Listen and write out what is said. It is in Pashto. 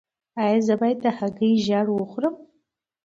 ایا زه باید د هګۍ ژیړ وخورم؟